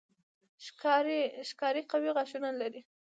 ښکاري قوي غاښونه لري.